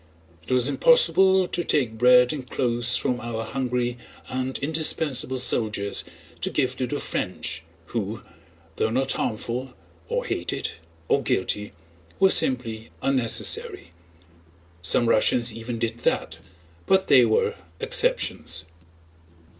It was impossible to take bread and clothes from our hungry and indispensable soldiers to give to the French who, though not harmful, or hated, or guilty, were simply unnecessary. Some Russians even did that, but they were exceptions.